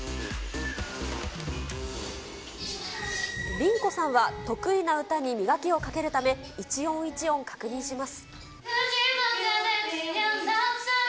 リンコさんは、得意な歌に磨きをかけるため、一音一音確認します。